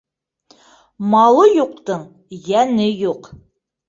Малы юҡтың йәне юҡ.